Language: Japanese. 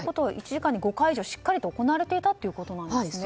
１時間に５回以上しっかりと行われていたということですね。